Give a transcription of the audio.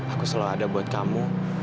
aku selalu ada buat kamu